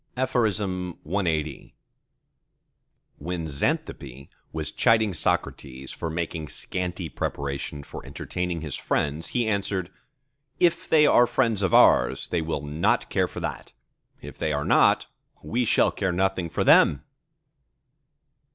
CLXXXI When Xanthippe was chiding Socrates for making scanty preparation for entertaining his friends, he answered:—"If they are friends of ours they will not care for that; if they are not, we shall care nothing for them!"